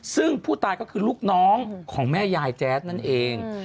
ซึ่งผู้ตายก็คือลูกน้องของแม่ยายแจ๊ดนั่นเอง